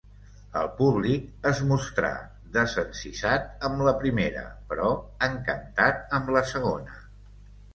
El públic es mostrà desencisat amb la primera, però encantat amb la segona.